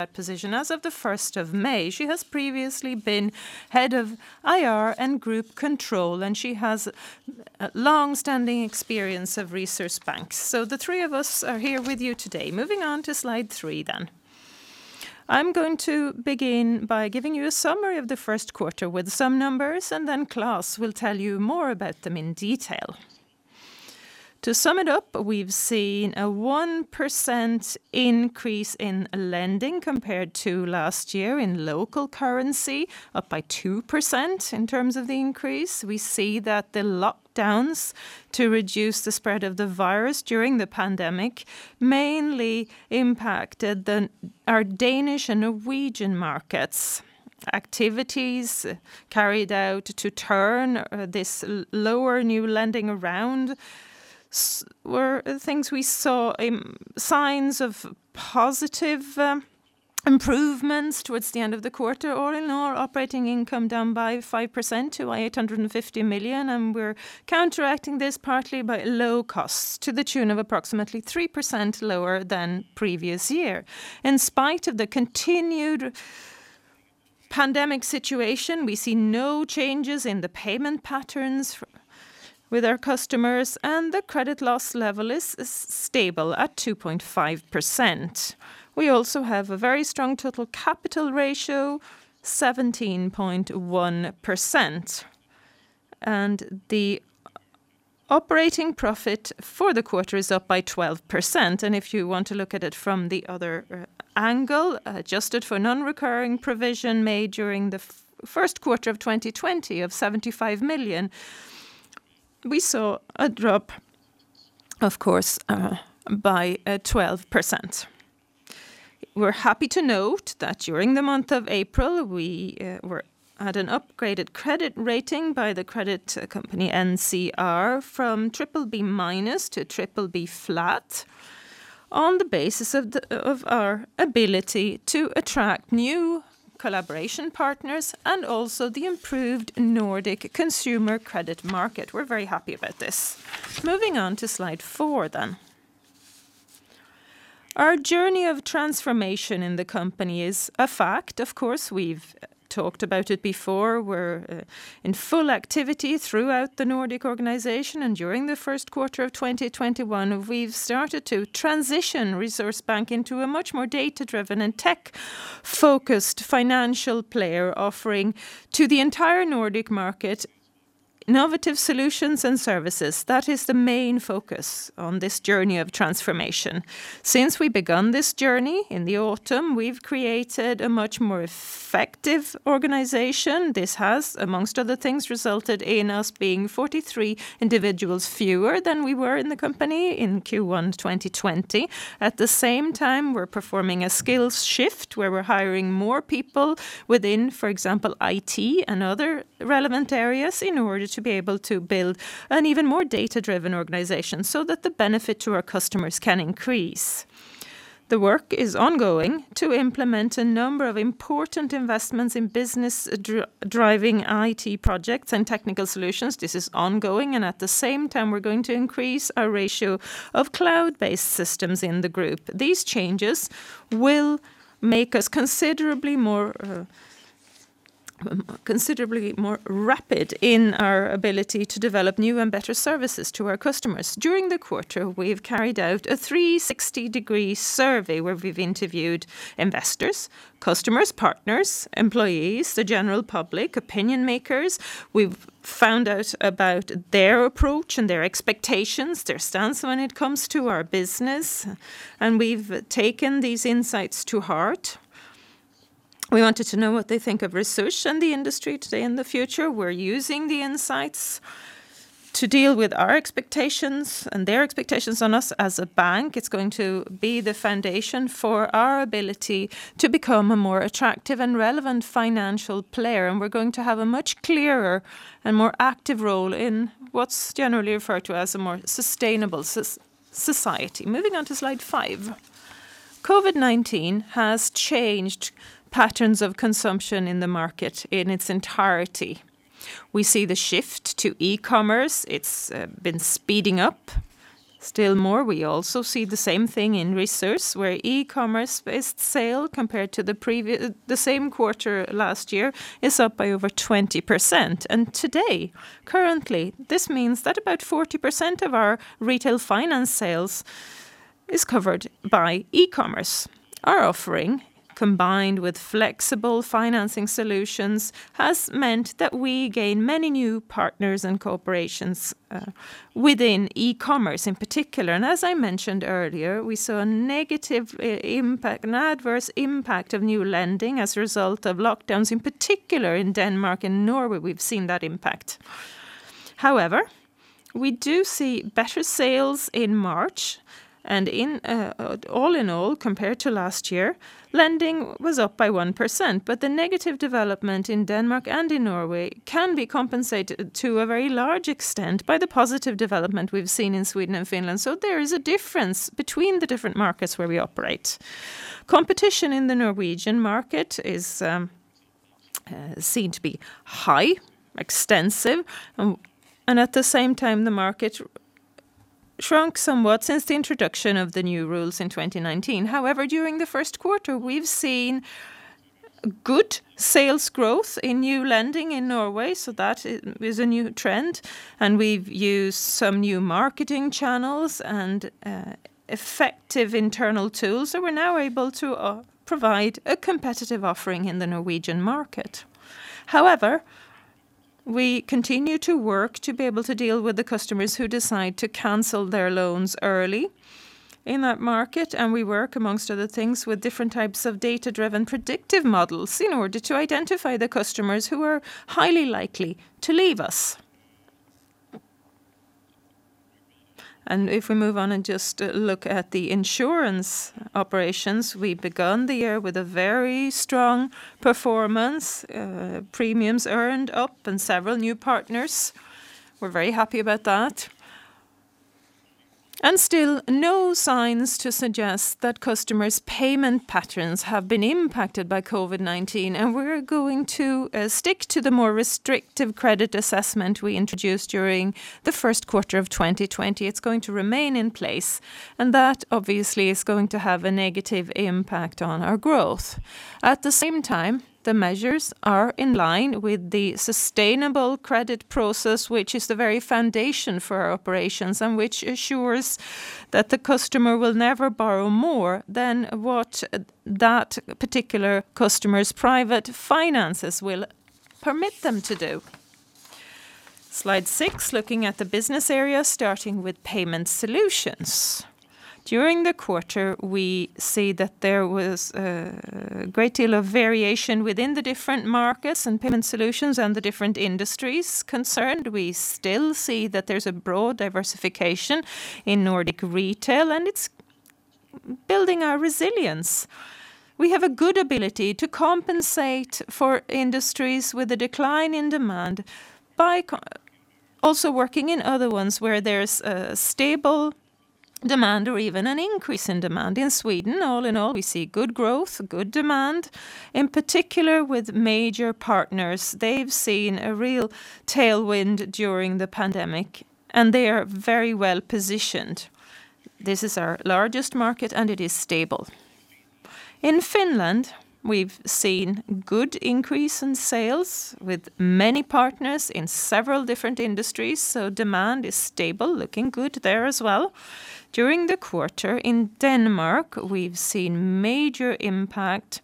That position as of the first of May. She has previously been head of IR and group control, and she has longstanding experience of Resurs Bank. The three of us are here with you today. Moving on to slide three then. I'm going to begin by giving you a summary of the first quarter with some numbers, and then Claes will tell you more about them in detail. To sum it up, we've seen a 1% increase in lending compared to last year in local currency, up by 2% in terms of the increase. We see that the lockdowns to reduce the spread of the virus during the pandemic mainly impacted our Danish and Norwegian markets. Activities carried out to turn this lower new lending around were things we saw signs of positive improvements towards the end of the quarter. All in all, operating income down by 5% to 850 million, we're counteracting this partly by low costs to the tune of approximately 3% lower than previous year. In spite of the continued pandemic situation, we see no changes in the payment patterns with our customers, the credit loss level is stable at 2.5%. We also have a very strong total capital ratio, 17.1%. The operating profit for the quarter is up by 12%. If you want to look at it from the other angle, adjusted for non-recurring provision made during the first quarter of 2020 of 75 million, we saw a drop, of course, by 12%. We're happy to note that during the month of April, we had an upgraded credit rating by the credit company NCR from BBB- to BBB on the basis of our ability to attract new collaboration partners and also the improved Nordic consumer credit market. We're very happy about this. Moving on to slide four then. Our journey of transformation in the company is a fact. Of course, we've talked about it before. We're in full activity throughout the Nordic organization, and during the first quarter of 2021, we've started to transition Resurs Bank into a much more data-driven and tech-focused financial player offering to the entire Nordic market, innovative solutions and services. That is the main focus on this journey of transformation. Since we begun this journey in the autumn, we've created a much more effective organization. This has, amongst other things, resulted in us being 43 individuals fewer than we were in the company in Q1 2020. At the same time, we're performing a skills shift where we're hiring more people within, for example, IT and other relevant areas in order to be able to build an even more data-driven organization so that the benefit to our customers can increase. The work is ongoing to implement a number of important investments in business driving IT projects and technical solutions. This is ongoing, and at the same time, we're going to increase our ratio of cloud-based systems in the group. These changes will make us considerably more rapid in our ability to develop new and better services to our customers. During the quarter, we've carried out a 360-degree survey where we've interviewed investors, customers, partners, employees, the general public, opinion makers. We've found out about their approach and their expectations, their stance when it comes to our business, and we've taken these insights to heart. We wanted to know what they think of Resurs and the industry today and the future. We're using the insights to deal with our expectations and their expectations on us as a bank. It's going to be the foundation for our ability to become a more attractive and relevant financial player, and we're going to have a much clearer and more active role in what's generally referred to as a more sustainable society. Moving on to slide five. COVID-19 has changed patterns of consumption in the market in its entirety. We see the shift to e-commerce. It's been speeding up still more. We also see the same thing in Resurs, where e-commerce-based sale compared to the same quarter last year is up by over 20%. Today, currently, this means that about 40% of our retail finance sales is covered by e-commerce. Our offering, combined with flexible financing solutions, has meant that we gain many new partners and cooperations within e-commerce in particular. As I mentioned earlier, we saw a negative impact and adverse impact of new lending as a result of lockdowns, in particular in Denmark and Norway, we've seen that impact. However, we do see better sales in March, and all in all, compared to last year, lending was up by 1%. The negative development in Denmark and in Norway can be compensated to a very large extent by the positive development we've seen in Sweden and Finland. There is a difference between the different markets where we operate. Competition in the Norwegian market is seen to be high, extensive, and at the same time, the market shrunk somewhat since the introduction of the new rules in 2019. However, during the first quarter we've seen good sales growth in new lending in Norway, that is a new trend, we've used some new marketing channels and effective internal tools. We're now able to provide a competitive offering in the Norwegian market. However, we continue to work to be able to deal with the customers who decide to cancel their loans early in that market, we work among other things with different types of data-driven predictive models in order to identify the customers who are highly likely to leave us. If we move on and just look at the insurance operations, we began the year with a very strong performance, premiums earned up and several new partners. Still no signs to suggest that customers' payment patterns have been impacted by COVID-19. We're going to stick to the more restrictive credit assessment we introduced during the first quarter of 2020. It's going to remain in place, and that obviously is going to have a negative impact on our growth. At the same time, the measures are in line with the sustainable credit process which is the very foundation for our operations and which assures that the customer will never borrow more than what that particular customer's private finances will permit them to do. Slide six, looking at the business area starting with Payment Solutions. During the quarter we see that there was a great deal of variation within the different markets and payment solutions and the different industries concerned. We still see that there's a broad diversification in Nordic retail and it's building our resilience. We have a good ability to compensate for industries with a decline in demand by also working in other ones where there's a stable demand or even an increase in demand. In Sweden, all in all, we see good growth, good demand, in particular with major partners. They've seen a real tailwind during the pandemic and they are very well-positioned. This is our largest market and it is stable. In Finland, we've seen good increase in sales with many partners in several different industries, so demand is stable, looking good there as well. During the quarter in Denmark, we've seen major impact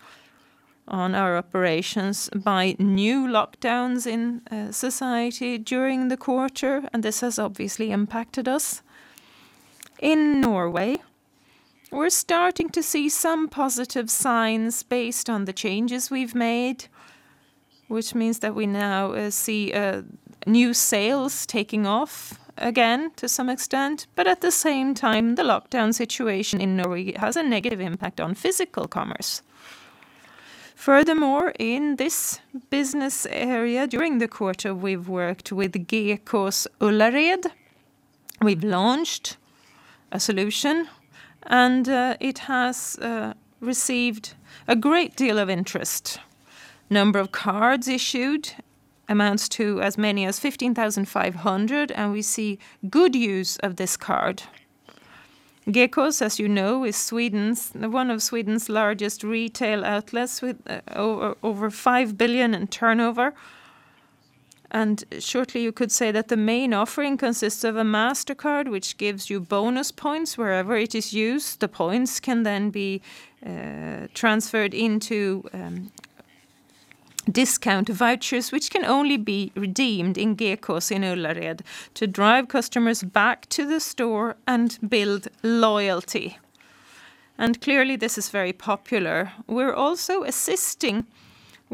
on our operations by new lockdowns in society during the quarter and this has obviously impacted us. In Norway, we're starting to see some positive signs based on the changes we've made, which means that we now see new sales taking off again to some extent. At the same time, the lockdown situation in Norway has a negative impact on physical commerce. Furthermore, in this business area during the quarter we've worked with Gekås Ullared. We've launched a solution and it has received a great deal of interest. Number of cards issued amounts to as many as 15,500 and we see good use of this card. Gekås, as you know, is one of Sweden's largest retail outlets with over 5 billion in turnover. Shortly you could say that the main offering consists of a Mastercard which gives you bonus points wherever it is used. The points can then be transferred into discount vouchers which can only be redeemed in Gekås in Ullared to drive customers back to the store and build loyalty. Clearly this is very popular. We're also assisting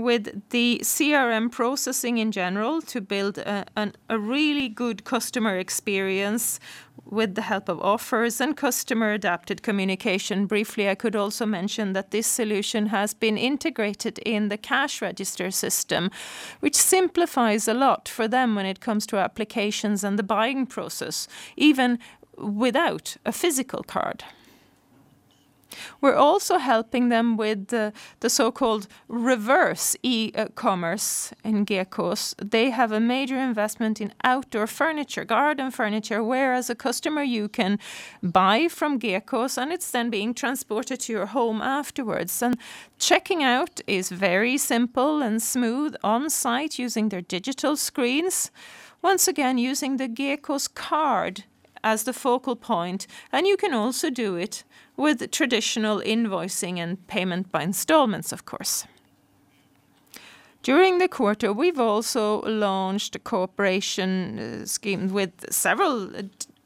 with the CRM processing in general to build a really good customer experience with the help of offers and customer adapted communication. Briefly, I could also mention that this solution has been integrated in the cash register system which simplifies a lot for them when it comes to applications and the buying process, even without a physical card. We're also helping them with the so-called reverse e-commerce in Gekås. They have a major investment in outdoor furniture, garden furniture, where as a customer you can buy from Gekås and it's then being transported to your home afterwards. Checking out is very simple and smooth on site using their digital screens. Once again using the Gekås card as the focal point. You can also do it with traditional invoicing and payment by installments of course. During the quarter we've also launched a cooperation scheme with several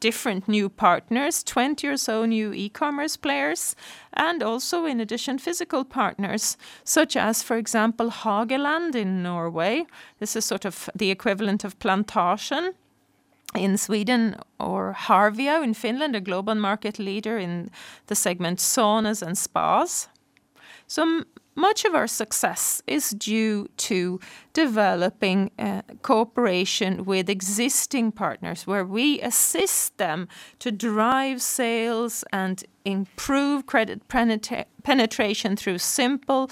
different new partners, 20 or so new e-commerce players and also in addition physical partners, such as for example Hageland in Norway. This is sort of the equivalent of Plantagen in Sweden or Harvia in Finland, a global market leader in the segment saunas and spas. Much of our success is due to developing cooperation with existing partners where we assist them to drive sales and improve credit penetration through simple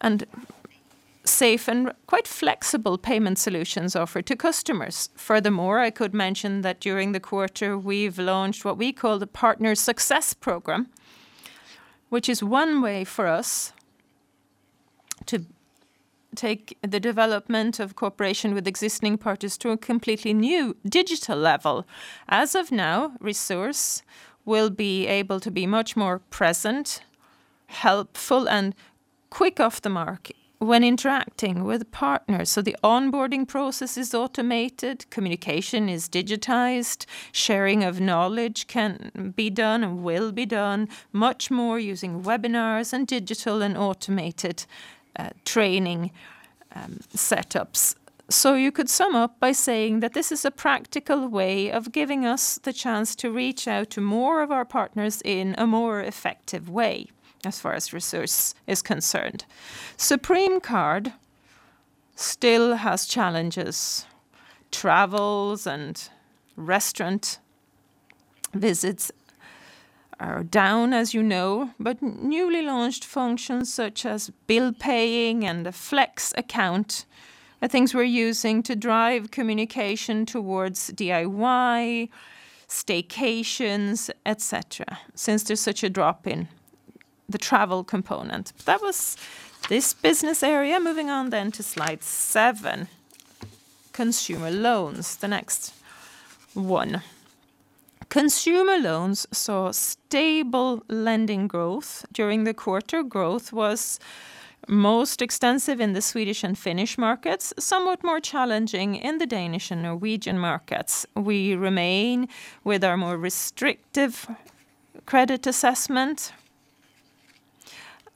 and safe and quite flexible payment solutions offered to customers. Furthermore, I could mention that during the quarter, we've launched what we call the Partner Success Program, which is one way for us to take the development of cooperation with existing partners to a completely new digital level. As of now, Resurs will be able to be much more present, helpful, and quick off the mark when interacting with partners. The onboarding process is automated, communication is digitized, sharing of knowledge can be done and will be done much more using webinars and digital and automated training setups. You could sum up by saying that this is a practical way of giving us the chance to reach out to more of our partners in a more effective way as far as Resurs is concerned. Supreme Card still has challenges. Travels and restaurant visits are down, as you know, but newly launched functions such as bill paying and the Flexible account are things we're using to drive communication towards DIY, staycations, et cetera, since there's such a drop in the travel component. That was this business area. Moving on then to slide seven, consumer loans, the next one. Consumer loans saw stable lending growth during the quarter. Growth was most extensive in the Swedish and Finnish markets, somewhat more challenging in the Danish and Norwegian markets. We remain with our more restrictive credit assessment,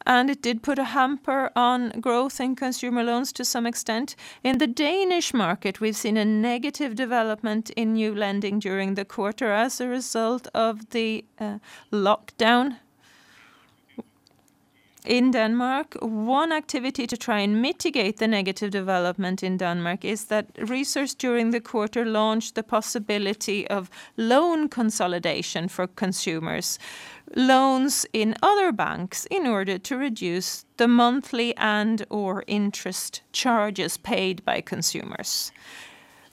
and it did put a hamper on growth in consumer loans to some extent. In the Danish market, we've seen a negative development in new lending during the quarter as a result of the lockdown in Denmark. One activity to try and mitigate the negative development in Denmark is that Resurs during the quarter launched the possibility of loan consolidation for consumers. Loans in other banks in order to reduce the monthly and/or interest charges paid by consumers.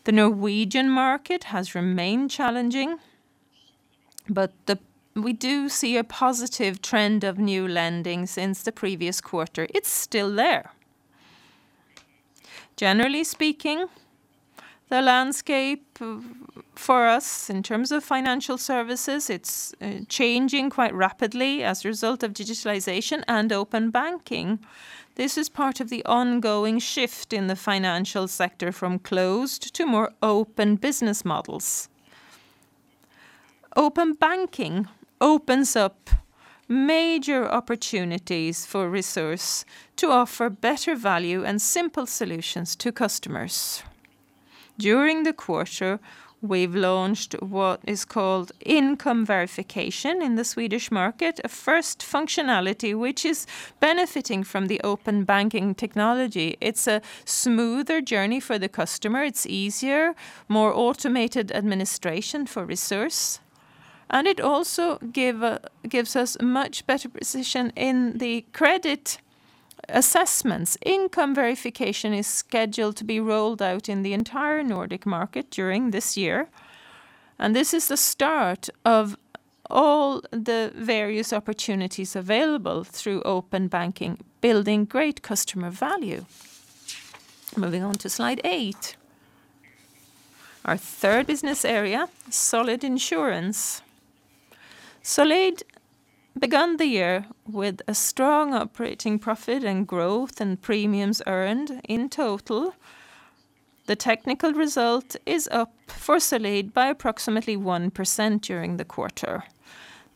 The Norwegian market has remained challenging, but we do see a positive trend of new lending since the previous quarter. It's still there. Generally speaking, the landscape for us in terms of financial services, it's changing quite rapidly as a result of digitalization and open banking. This is part of the ongoing shift in the financial sector from closed to more open business models. Open banking opens up major opportunities for Resurs to offer better value and simple solutions to customers. During the quarter, we've launched what is called income verification in the Swedish market, a first functionality which is benefiting from the open banking technology. It's a smoother journey for the customer. It's easier, more automated administration for Resurs, and it also gives us much better precision in the income verification. Income verification is scheduled to be rolled out in the entire Nordic market during this year, and this is the start of all the various opportunities available through open banking, building great customer value. Moving on to slide eight, our third business area, Solid insurance. Solid begun the year with a strong operating profit and growth in premiums earned. In total, the technical result is up for Solid by approximately 1% during the quarter.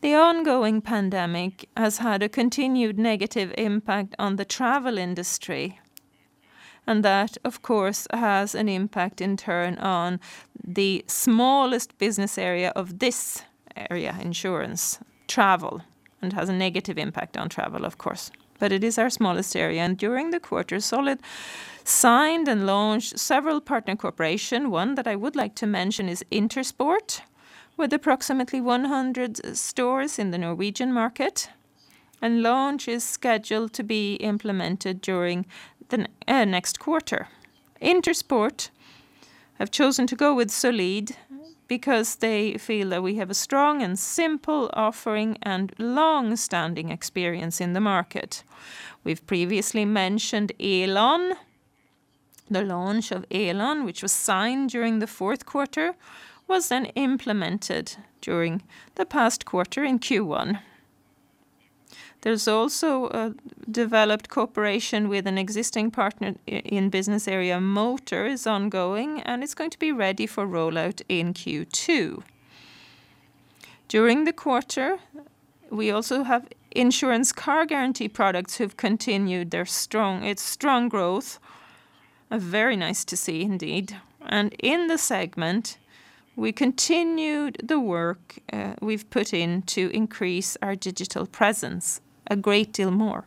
The ongoing pandemic has had a continued negative impact on the travel industry, and that, of course, has an impact in turn on the smallest business area of this area, insurance travel, and has a negative impact on travel, of course. It is our smallest area, and during the quarter, Solid signed and launched several partner cooperation. One that I would like to mention is Intersport, with approximately 100 stores in the Norwegian market, and launch is scheduled to be implemented during the next quarter. Intersport have chosen to go with Solid because they feel that we have a strong and simple offering and longstanding experience in the market. We've previously mentioned Elon. The launch of Elon, which was signed during the fourth quarter, was then implemented during the past quarter in Q1. There's also a developed cooperation with an existing partner in business area Motor is ongoing, and it's going to be ready for rollout in Q2. During the quarter, we also have insurance car guarantee products who've continued its strong growth. Very nice to see indeed. In the segment, we continued the work we've put in to increase our digital presence a great deal more.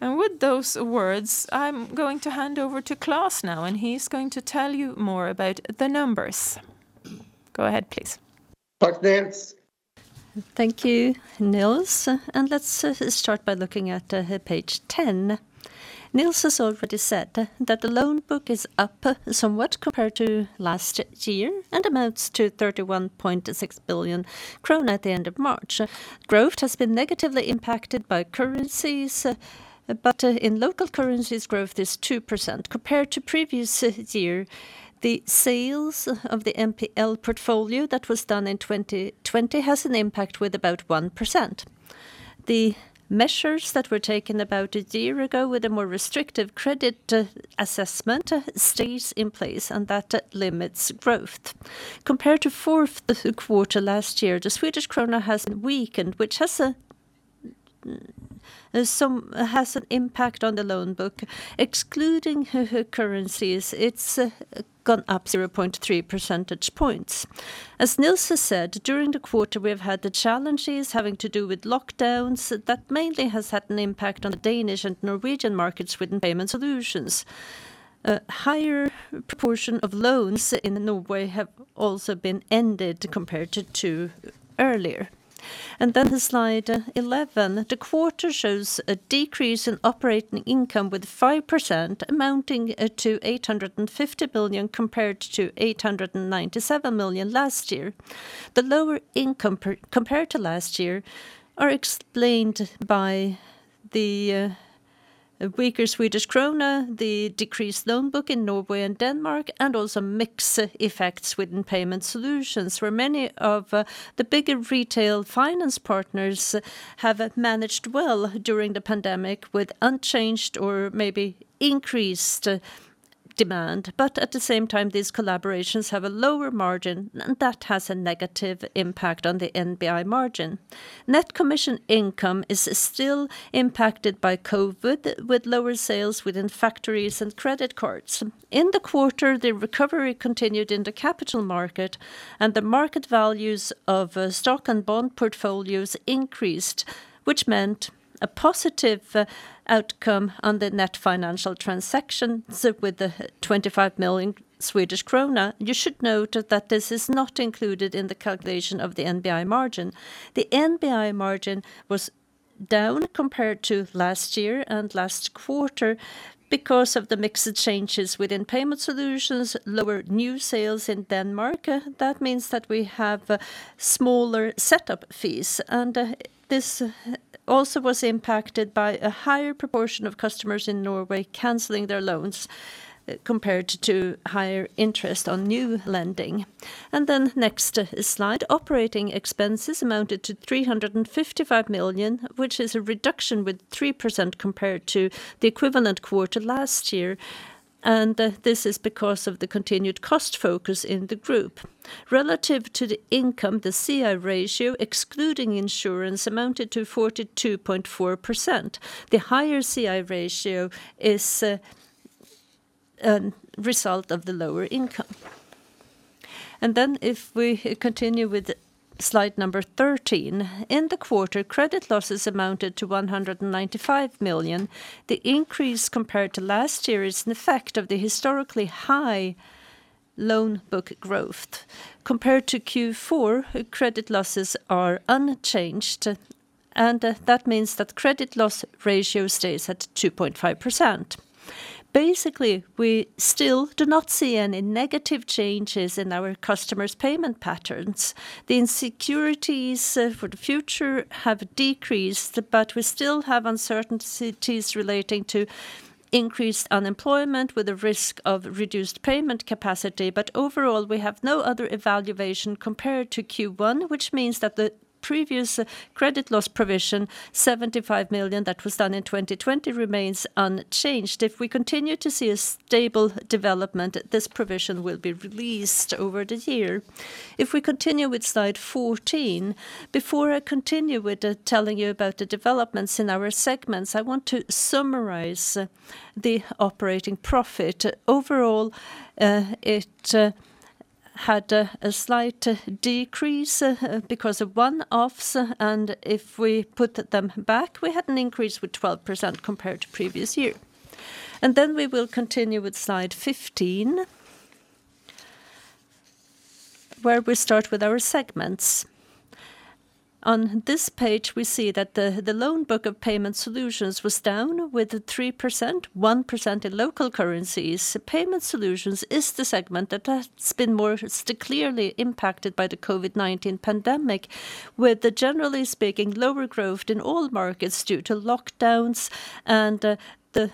With those words, I'm going to hand over to Claes now, and he's going to tell you more about the numbers. Go ahead, please. Thank you, Nils. Let's start by looking at page 10. Nils has already said that the loan book is up somewhat compared to last year, and amounts to 31.6 billion krona at the end of March. Growth has been negatively impacted by currencies, but in local currencies, growth is 2%. Compared to previous year, the sales of the NPL portfolio that was done in 2020 has an impact with about 1%. The measures that were taken about a year ago with a more restrictive credit assessment stays in place, and that limits growth. Compared to fourth quarter last year, the Swedish krona has weakened, which has an impact on the loan book. Excluding currencies, it's gone up 0.3 percentage points. As Nils has said, during the quarter, we have had the challenges having to do with lockdowns. That mainly has had an impact on the Danish and Norwegian markets within Payment Solutions. A higher proportion of loans in Norway have also been ended compared to earlier. Slide 11. The quarter shows a decrease in operating income with 5%, amounting to 850 billion, compared to 897 million last year. The lower income compared to last year are explained by the weaker Swedish krona, the decreased loan book in Norway and Denmark, and also mix effects within Payment Solutions, where many of the bigger retail finance partners have managed well during the pandemic with unchanged or maybe increased demand. At the same time, these collaborations have a lower margin, and that has a negative impact on the NBI margin. Net commission income is still impacted by COVID, with lower sales within factoring and credit cards. In the quarter, the recovery continued in the capital market, and the market values of stock and bond portfolios increased, which meant a positive outcome on the net financial transaction with the 25 million Swedish krona. You should note that this is not included in the calculation of the NBI margin. The NBI margin was down compared to last year and last quarter because of the mix of changes within Payment Solutions, lower new sales in Denmark. That means that we have smaller setup fees. This also was impacted by a higher proportion of customers in Norway canceling their loans compared to higher interest on new lending. Next slide. Operating expenses amounted to 355 million, which is a reduction with 3% compared to the equivalent quarter last year. This is because of the continued cost focus in the group. Relative to the income, the CI ratio, excluding insurance, amounted to 42.4%. The higher CI ratio is a result of the lower income. If we continue with slide number 13. In the quarter, credit losses amounted to 195 million. The increase compared to last year is an effect of the historically high loan book growth. Compared to Q4, credit losses are unchanged, and that means that credit loss ratio stays at 2.5%. Basically, we still do not see any negative changes in our customers' payment patterns. The insecurities for the future have decreased, but we still have uncertainties relating to increased unemployment with a risk of reduced payment capacity. Overall, we have no other evaluation compared to Q1, which means that the previous credit loss provision, 75 million that was done in 2020, remains unchanged. If we continue to see a stable development, this provision will be released over the year. If we continue with slide 14. Before I continue with telling you about the developments in our segments, I want to summarize the operating profit. Overall, it had a slight decrease because of one-offs, and if we put them back, we had an increase with 12% compared to previous year. Then we will continue with slide 15, where we start with our segments. On this page, we see that the loan book of Payment Solutions was down with 3%, 1% in local currencies. Payment Solutions is the segment that has been more clearly impacted by the COVID-19 pandemic, with the generally speaking, lower growth in all markets due to lockdowns, and the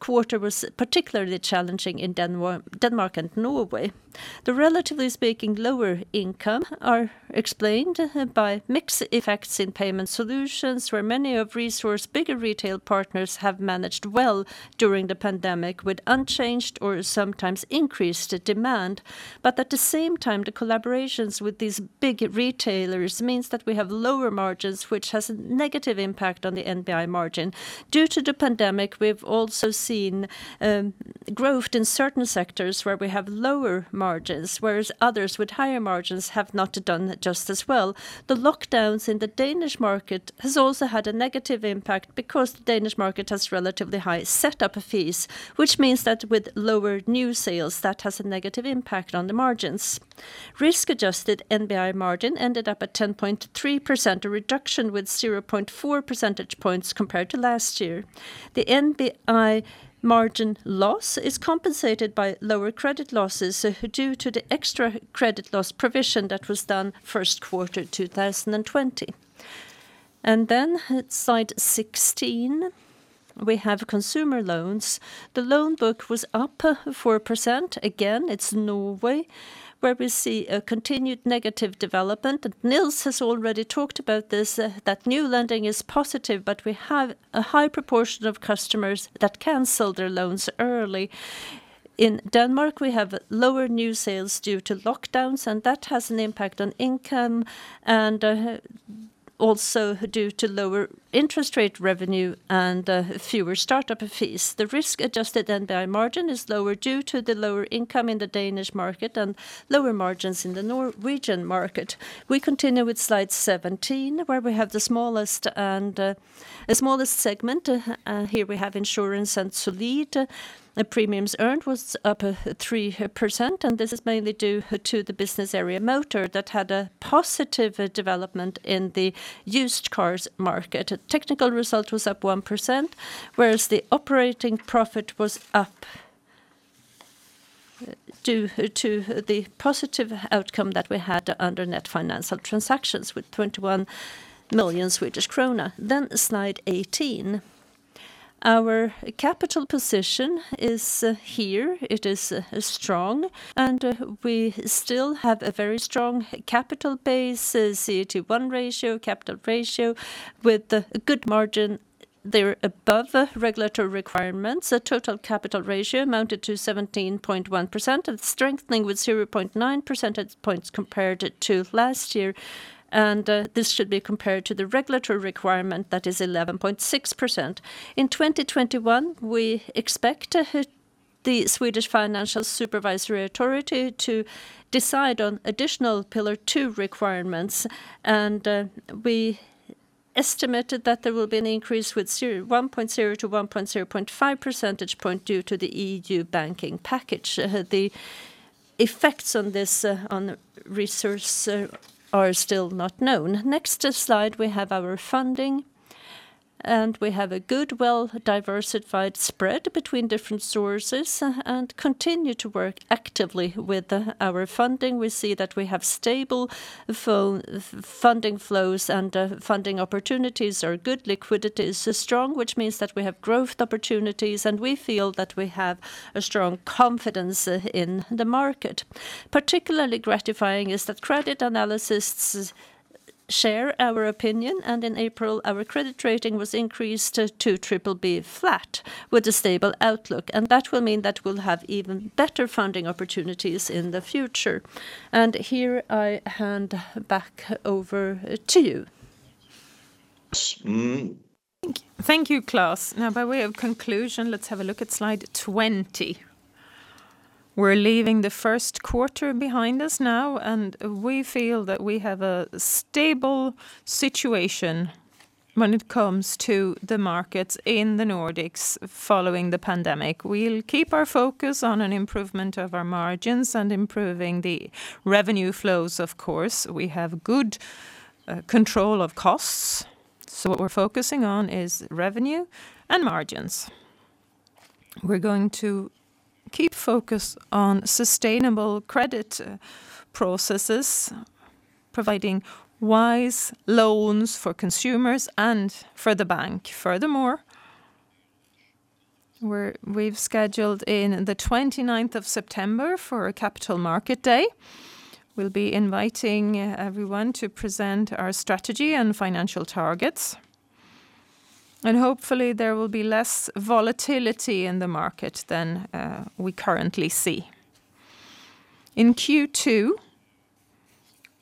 quarter was particularly challenging in Denmark and Norway. The relatively speaking lower income are explained by mix effects in Payment Solutions, where many of Resurs's bigger retail partners have managed well during the pandemic with unchanged or sometimes increased demand. At the same time, the collaborations with these big retailers means that we have lower margins, which has a negative impact on the NBI margin. Due to the pandemic, we've also seen growth in certain sectors where we have lower margins, whereas others with higher margins have not done just as well. The lockdowns in the Danish market has also had a negative impact because the Danish market has relatively high setup fees, which means that with lower new sales, that has a negative impact on the margins. Risk-adjusted NBI margin ended up at 10.3%, a reduction with 0.4 percentage points compared to last year. The NBI margin loss is compensated by lower credit losses due to the extra credit loss provision that was done first quarter 2020. Then slide 16, we have consumer loans. The loan book was up 4%. Again, it's Norway where we see a continued negative development. Nils has already talked about this, that new lending is positive, but we have a high proportion of customers that cancel their loans early. In Denmark, we have lower new sales due to lockdowns, and that has an impact on income and also due to lower interest rate revenue and fewer startup fees. The risk-adjusted NBI margin is lower due to the lower income in the Danish market and lower margins in the Norwegian market. We continue with slide 17 where we have the smallest segment. Here we have insurance and Solid Försäkring. The premiums earned was up 3%. This is mainly due to the business area Motor that had a positive development in the used cars market. Technical result was up 1%, whereas the operating profit was up due to the positive outcome that we had under net financial transactions with 21 million Swedish krona. Slide 18. Our capital position is here. It is strong and we still have a very strong capital base, CET1 ratio, capital ratio with a good margin there above regulatory requirements. The total capital ratio amounted to 17.1%, strengthening with 0.9 percentage points compared to last year. This should be compared to the regulatory requirement that is 11.6%. In 2021, we expect the Swedish Financial Supervisory Authority to decide on additional Pillar two requirements. We estimated that there will be an increase with 1.0-1.05 percentage point due to the EU banking package. The effects on Resurs are still not known. Next slide, we have our funding and we have a good, well-diversified spread between different sources and continue to work actively with our funding. We see that we have stable funding flows and funding opportunities are good. Liquidity is strong, which means that we have growth opportunities and we feel that we have a strong confidence in the market. Particularly gratifying is that credit analysts share our opinion. In April our credit rating was increased to BBB flat with a stable outlook. That will mean that we'll have even better funding opportunities in the future. Here I hand back over to you. Thank you, Claes. Now, by way of conclusion, let's have a look at slide 20. We're leaving the first quarter behind us now, and we feel that we have a stable situation when it comes to the markets in the Nordics following the pandemic. We'll keep our focus on an improvement of our margins and improving the revenue flows, of course. We have good control of costs. What we're focusing on is revenue and margins. We're going to keep focus on sustainable credit processes, providing wise loans for consumers and for the bank. Furthermore, we've scheduled in the 29th of September for a Capital Markets Day. We'll be inviting everyone to present our strategy and financial targets. Hopefully there will be less volatility in the market than we currently see. In Q2,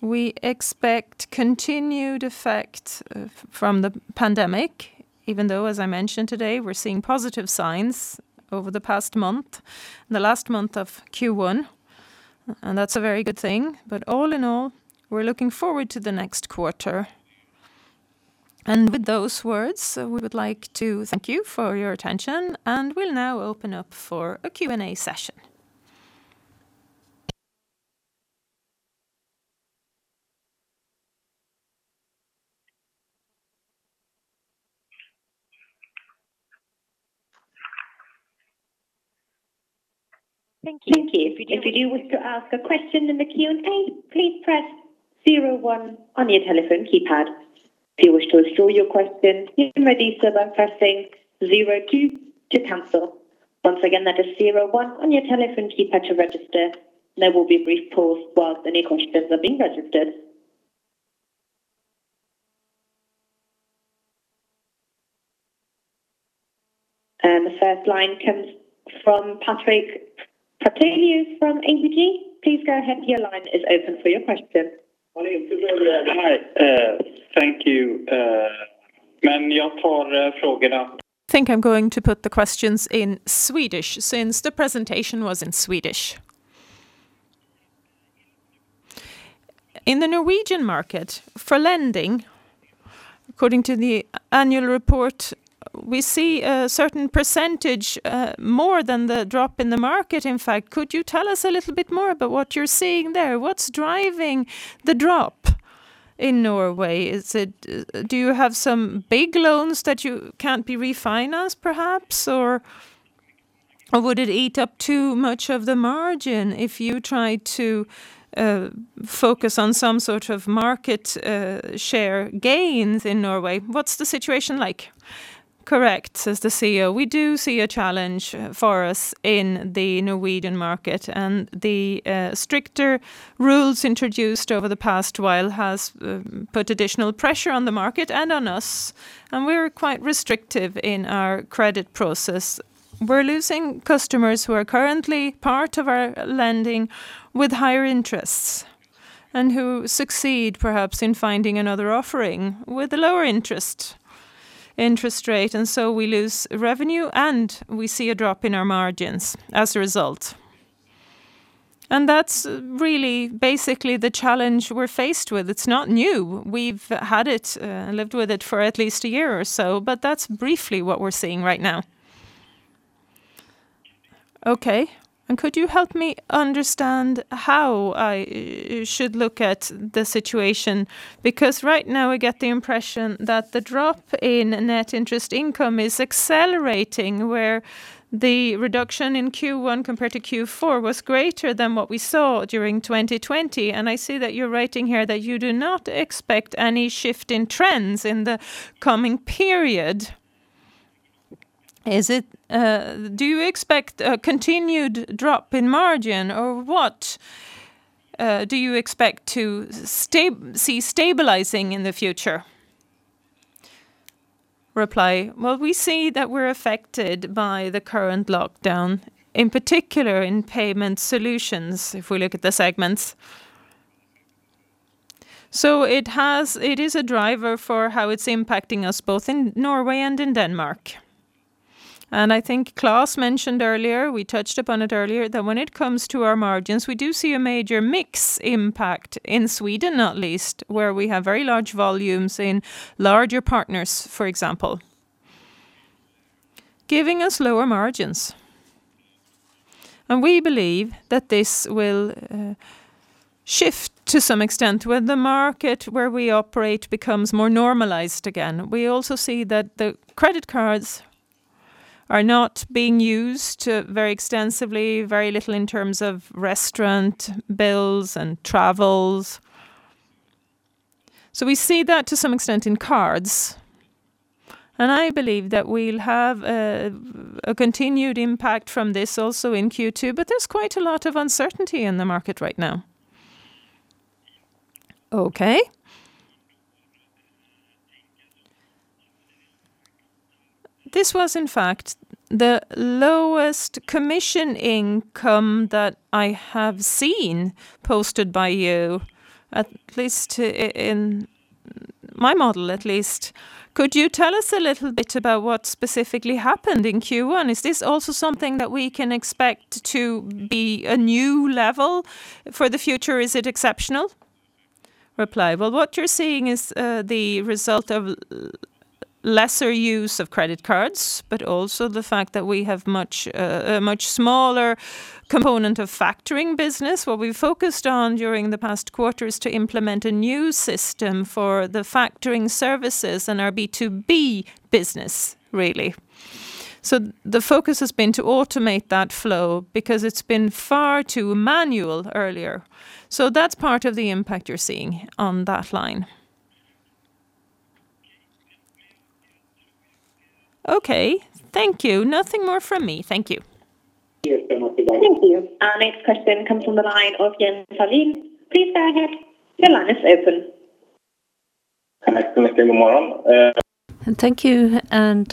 we expect continued effect from the pandemic, even though, as I mentioned today, we're seeing positive signs over the past month and the last month of Q1. That's a very good thing. All in all, we're looking forward to the next quarter. With those words, we would like to thank you for your attention, and we'll now open up for a Q&A session. Thank you. The first line comes from Patrik Pertoft from ABG. Please go ahead. Your line is open for your question. Hi. Thank you. I think I'm going to put the questions in Swedish since the presentation was in Swedish. In the Norwegian market for lending, according to the annual report, we see a certain % more than the drop in the market. In fact, could you tell us a little bit more about what you're seeing there? What's driving the drop in Norway? Do you have some big loans that can't be refinanced perhaps, or Or would it eat up too much of the margin if you try to focus on some sort of market share gains in Norway? What's the situation like? "Correct," says the CEO. "We do see a challenge for us in the Norwegian market. The stricter rules introduced over the past while has put additional pressure on the market and on us. We're quite restrictive in our credit process. We're losing customers who are currently part of our lending with higher interests who succeed perhaps in finding another offering with a lower interest rate. We lose revenue. We see a drop in our margins as a result. That's really basically the challenge we're faced with. It's not new. We've had it and lived with it for at least a year or so. That's briefly what we're seeing right now." Okay. Could you help me understand how I should look at the situation? Because right now I get the impression that the drop in net interest income is accelerating, where the reduction in Q1 compared to Q4 was greater than what we saw during 2020, and I see that you're writing here that you do not expect any shift in trends in the coming period. Do you expect a continued drop in margin, or what do you expect to see stabilizing in the future? Well, we see that we're affected by the current lockdown, in particular in Payment Solutions, if we look at the segments. It is a driver for how it's impacting us both in Norway and in Denmark. I think Claes mentioned earlier, we touched upon it earlier, that when it comes to our margins, we do see a major mix impact in Sweden, not least where we have very large volumes in larger partners, for example, giving us lower margins. We believe that this will shift to some extent when the market where we operate becomes more normalized again. We also see that the credit cards are not being used very extensively, very little in terms of restaurant bills and travels. We see that to some extent in cards. I believe that we'll have a continued impact from this also in Q2, but there's quite a lot of uncertainty in the market right now. Okay. This was in fact the lowest commission income that I have seen posted by you, in my model at least. Could you tell us a little bit about what specifically happened in Q1? Is this also something that we can expect to be a new level for the future? Is it exceptional? Well, what you're seeing is the result of lesser use of credit cards, but also the fact that we have a much smaller component of factoring business. What we've focused on during the past quarter is to implement a new system for the factoring services and our B2B business, really. The focus has been to automate that flow because it's been far too manual earlier. That's part of the impact you're seeing on that line. Okay. Thank you. Nothing more from me. Thank you. Thank you. Our next question comes from the line of Jens Saltin. Please go ahead. Your line is open. Thank you and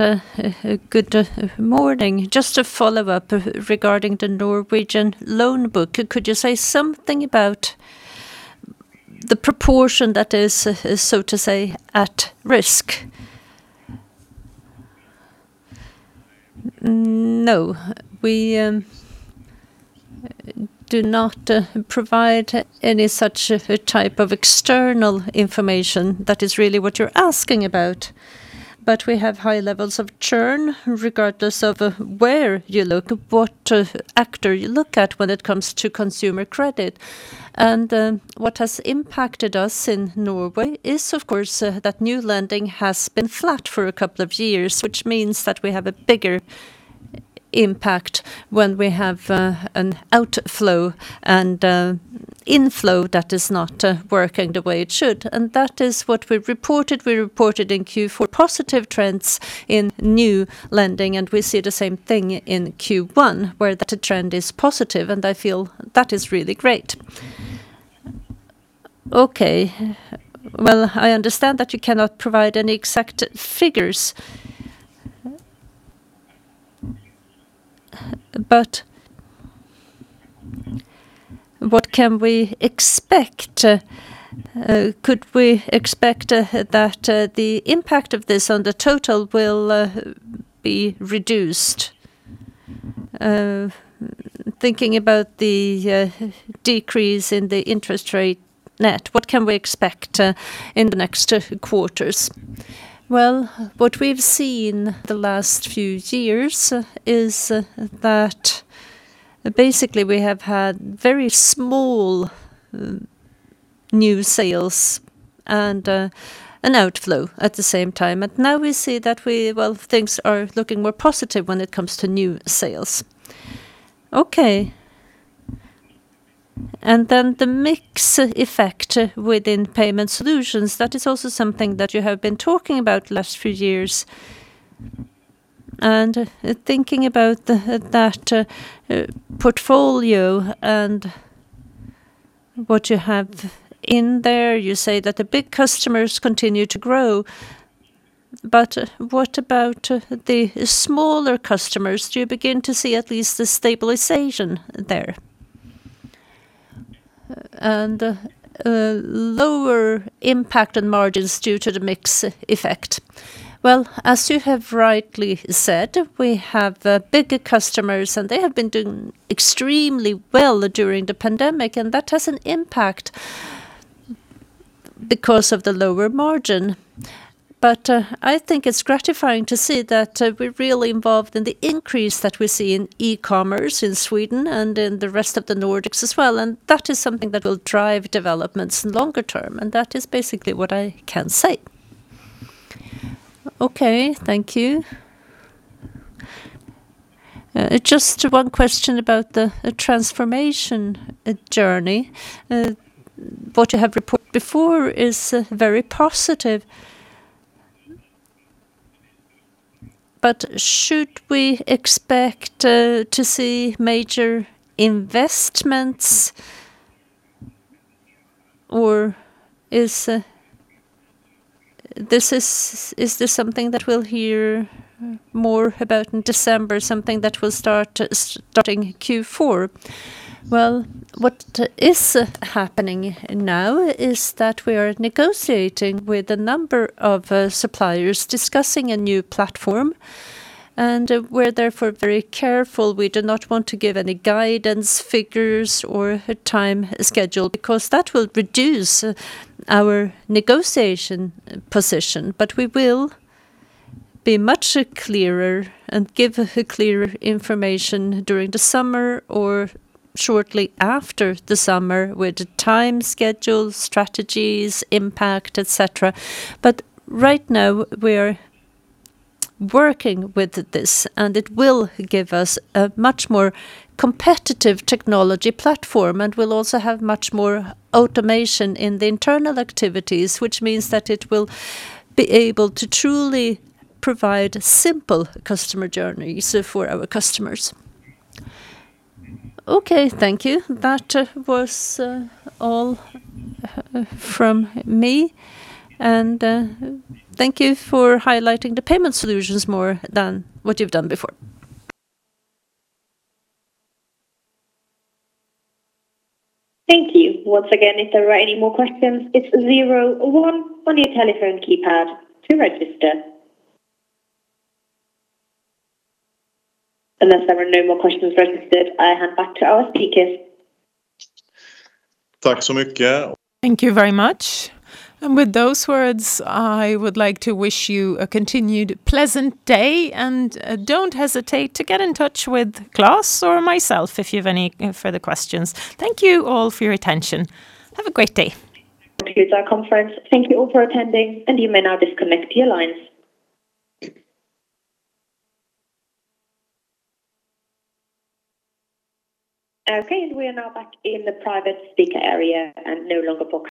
good morning. Just a follow-up regarding the Norwegian loan book. Could you say something about the proportion that is, so to say, at risk? No. We do not provide any such type of external information. That is really what you're asking about. We have high levels of churn regardless of where you look, what actor you look at when it comes to consumer credit. What has impacted us in Norway is, of course, that new lending has been flat for a couple of years, which means that we have a bigger impact when we have an outflow and inflow that is not working the way it should. That is what we reported. We reported in Q4 positive trends in new lending, and we see the same thing in Q1, where the trend is positive, and I feel that is really great. Okay. Well, I understand that you cannot provide any exact figures, but what can we expect? Could we expect that the impact of this on the total will be reduced? Thinking about the decrease in the interest rate net, what can we expect in the next quarters? Well, what we've seen the last few years is that. Basically, we have had very small new sales and an outflow at the same time. Now we see that things are looking more positive when it comes to new sales. Okay. The mix effect within Payment Solutions, that is also something that you have been talking about last few years. Thinking about that portfolio and what you have in there, you say that the big customers continue to grow, but what about the smaller customers? Do you begin to see at least a stabilization there? Lower impact on margins due to the mix effect? Well, as you have rightly said, we have bigger customers, and they have been doing extremely well during the pandemic, and that has an impact because of the lower margin. I think it's gratifying to see that we're really involved in the increase that we see in e-commerce in Sweden and in the rest of the Nordics as well. That is something that will drive developments longer term, and that is basically what I can say. Okay, thank you. Just one question about the transformation journey. What you have reported before is very positive. Should we expect to see major investments or is this something that we'll hear more about in December, something that will start Q4? Well, what is happening now is that we are negotiating with a number of suppliers discussing a new platform, and we're therefore very careful. We do not want to give any guidance figures or a time schedule because that will reduce our negotiation position. We will be much clearer and give clear information during the summer or shortly after the summer with time schedules, strategies, impact, et cetera. Right now, we're working with this, and it will give us a much more competitive technology platform and will also have much more automation in the internal activities, which means that it will be able to truly provide simple customer journeys for our customers. Okay, thank you. That was all from me, and thank you for highlighting the Payment Solutions more than what you've done before. Thank you. Once again, if there are any more questions, it is zero one on your telephone keypad to register. Unless there are no more questions registered, I hand back to our speakers. Thank you very much. With those words, I would like to wish you a continued pleasant day, and don't hesitate to get in touch with Claes or myself if you have any further questions. Thank you all for your attention. Have a great day. Thank you for our conference. Thank you all for attending. You may now disconnect your lines. Okay, we are now back in the private speaker area and no longer broadcasting.